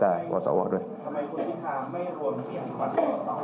ทำไมคุณพิทธิ์ค่ะไม่รวมเปลี่ยนความตอบต้องเนี่ยให้ได้เที่ยงถึงขณะปิดสวิทธิ์สวทธิ์ไปเลยครับ